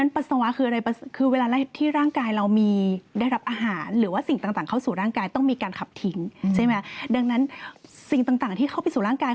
เพราะฉะนั้นสิ่งต่างที่เข้าไปสู่ร่างกาย